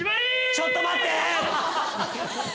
ちょっと待って！